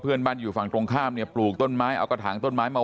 เพื่อนบ้านอยู่ฝั่งตรงข้ามเนี่ยปลูกต้นไม้เอากระถางต้นไม้มา